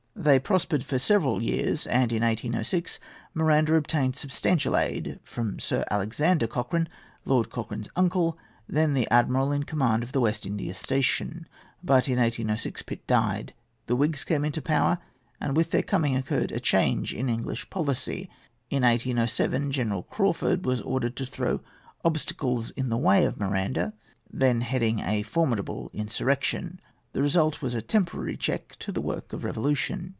They prospered for several years; and in 1806 Miranda obtained substantial aid from Sir Alexander Cochrane, Lord Cochrane's uncle, then the admiral in command of the West India station. But in 1806 Pitt died. The Whigs came into power, and with their coming occurred a change in the English policy. In 1807, General Crawfurd was ordered to throw obstacles in the way of Miranda, then heading a formidable insurrection. The result was a temporary check to the work of revolution.